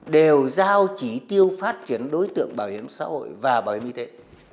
đều giao chỉ tiêu phát triển đối tượng bảo hiểm xã hội và bảo hiểm y tế